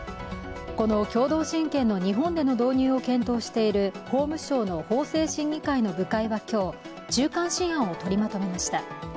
この共同親権の日本での導入を検討している法務省の法制審議会の部会は今日中間試案をとりまとめました。